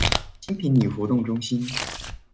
新坪里活動中心